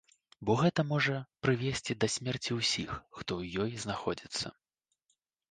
Бо гэта можа прывесці да смерці ўсіх, хто ў ёй знаходзіцца.